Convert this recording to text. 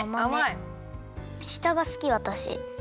したがすきわたし。